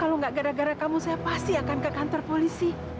kalau nggak gara gara kamu saya pasti akan ke kantor polisi